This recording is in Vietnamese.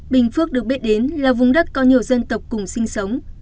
bình phước được biết đến là vùng đất có nhiều dân tộc cùng sinh sống